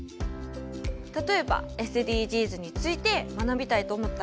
例えばＳＤＧｓについて学びたいと思ったら。